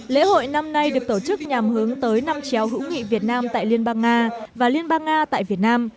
lễ hội năm nay được tổ chức nhằm hướng tới năm trèo hữu nghị việt nam tại liên bang nga và liên bang nga tại việt nam